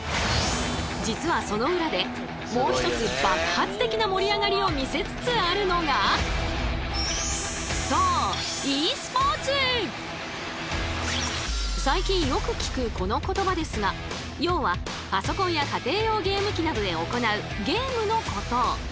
実はその裏でもう一つ爆発的な盛り上がりを見せつつあるのがそう最近よく聞くこの言葉ですが要はパソコンや家庭用ゲーム機などで行うゲームのこと。